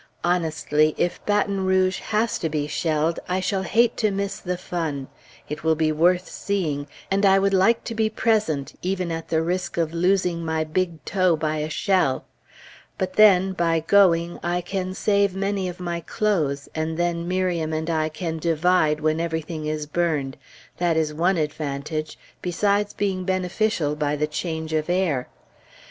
Honestly, if Baton Rouge has to be shelled, I shall hate to miss the fun. It will be worth seeing, and I would like to be present, even at the risk of losing my big toe by a shell. But then, by going, I can save many of my clothes, and then Miriam and I can divide when everything is burned that is one advantage, besides being beneficial by the change of air.